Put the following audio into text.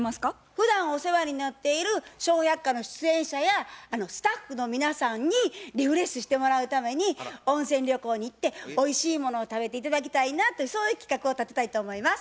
ふだんお世話になっている「笑百科」の出演者やスタッフの皆さんにリフレッシュしてもらうために温泉旅行に行っておいしいものを食べて頂きたいなっていうそういう企画を立てたいと思います。